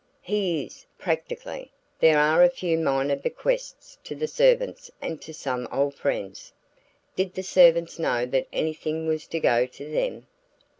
"He is, practically. There are a few minor bequests to the servants and to some old friends." "Did the servants know that anything was to go to them?"